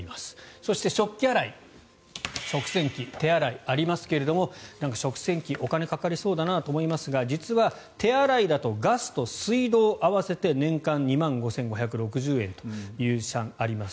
そして、食器洗い食洗機、手洗いありますが食洗機、お金かかりそうだなと思いますが実は手洗いだとガスと水道合わせて年間２万５５６０円という試算があります。